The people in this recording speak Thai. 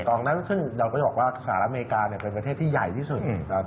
กองนั้นซึ่งเราก็จะบอกว่าสหรัฐอเมริกาเนี่ยเป็นประเทศที่ใหญ่ที่สุด